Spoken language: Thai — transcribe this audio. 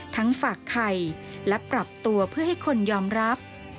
ฝากไข่และปรับตัวเพื่อให้คนยอมรับ